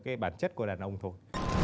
cái bản chất của đàn ông thôi